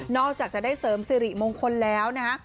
จากจะได้เสริมสิริมงคลแล้วนะฮะ